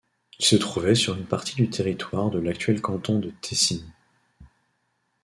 Il se trouvait sur une partie du territoire de l'actuel canton du Tessin.